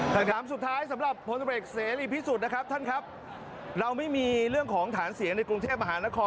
คำถามสุดท้ายสำหรับพลตำรวจเสรีพิสุทธิ์นะครับท่านครับเราไม่มีเรื่องของฐานเสียงในกรุงเทพมหานคร